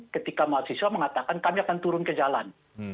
ketika mahasiswa mengatakan kami akan turun ke jalan